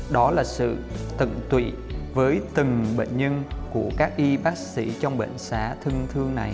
đó là sự tận tụy với từng bệnh nhân của các y bác sĩ trong bệnh xã thân thương này